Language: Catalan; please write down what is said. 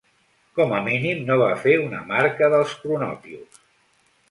Com a mínim no va fer una marca dels cronopios.